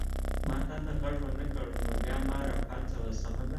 ما تا ته غږ ونه کړ نو بیا ما را پاڅوه، سمه ده؟